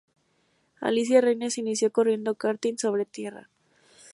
Alicia Reina se inició corriendo karting sobre tierra.